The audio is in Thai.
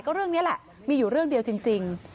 ก็เรื่องนี้แหละมีอยู่เรื่องเดียวจริง